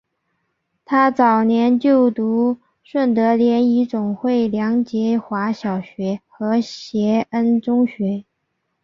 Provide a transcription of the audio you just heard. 她早年就读顺德联谊总会梁洁华小学和协恩中学。